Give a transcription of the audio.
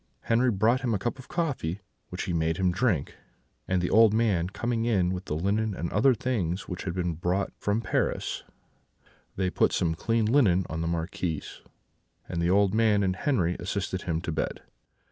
Henri brought him a cup of coffee, which he made him drink; and the old man coming in with the linen and other things which had been brought from Paris, they put some clean linen on the Marquis, and the old man and Henri assisted him to bed.